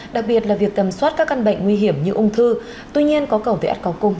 đặc biệt là việc tầm soát các căn bệnh nguy hiểm như ung thư tuy nhiên có cầu về át cao cung